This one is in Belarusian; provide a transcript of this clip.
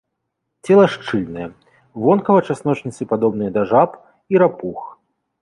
Цела шчыльнае, вонкава часночніцы падобныя да жаб і рапух.